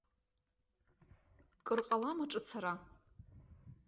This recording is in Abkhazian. Кыр ҟалама ҿыц ара?